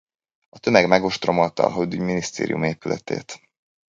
A tömeg megostromolta a hadügyminisztérium épületét.